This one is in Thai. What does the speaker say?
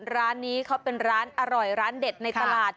ร้านนี้เขาเป็นร้านอร่อยร้านเด็ดในตลาด